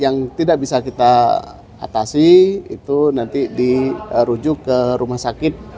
yang tidak bisa kita atasi itu nanti dirujuk ke rumah sakit